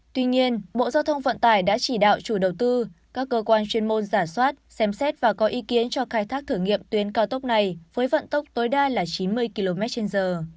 tuy nhiên bộ giao thông vận tải đã chỉ đạo chủ đầu tư các cơ quan chuyên môn giả soát xem xét và có ý kiến cho khai thác thử nghiệm tuyến cao tốc này với vận tốc tối đa là chín mươi km trên giờ